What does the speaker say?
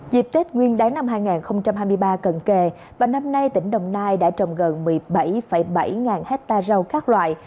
dịp tết nguyên đáng năm hai nghìn hai mươi ba cận kề và năm nay tỉnh đồng nai đã trồng gần một mươi bảy bảy ngàn hectare rau các loại